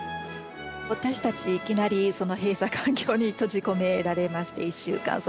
私たちいきなりその閉鎖環境に閉じ込められまして１週間。